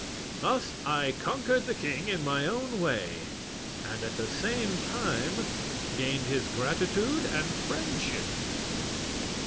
Thus I conquered the king in my own way, and at the same time gained his gratitude and friendship."